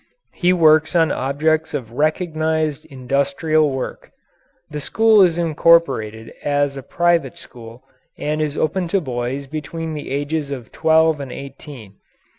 He works on objects of recognized industrial worth. The school is incorporated as a private school and is open to boys between the ages of twelve and eighteen.